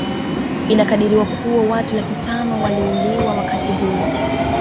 Inakadiriwa kuwa watu laki tano waliuliwa wakati huo